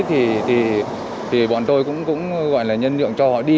thì bọn tôi cũng gọi là nhân nhượng cho họ đi